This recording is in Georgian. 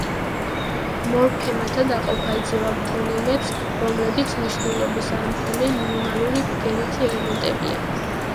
მორფემათა დაყოფა იძლევა ფონემებს, რომლებიც მნიშვნელობის არმქონე, მინიმალური ბგერითი ელემენტებია.